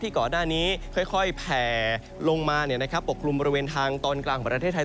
ก่อนหน้านี้ค่อยแผ่ลงมาปกกลุ่มบริเวณทางตอนกลางของประเทศไทย